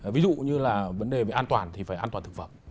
ví dụ như là vấn đề về an toàn thì phải an toàn thực phẩm